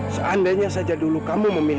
seandainya saja dulu kamu memilih iksan